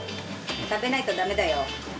食べないとダメだよ。